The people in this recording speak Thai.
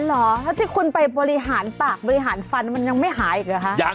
เหรอแล้วที่คุณไปบริหารปากบริหารฟันมันยังไม่หายอีกเหรอคะ